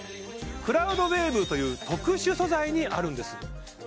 クラウドウェーブという特殊素材にあるんです